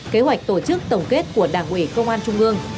kế hoạch tổ chức tổng kết của đảng ủy công an trung ương